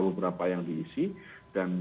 beberapa yang diisi dan